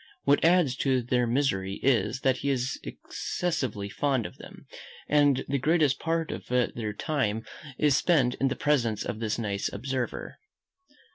What adds to their misery is, that he is excessively fond of them, and the greatest part of their time is spent in the presence of this nice observer.